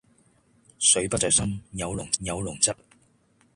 水不在深，有龍則靈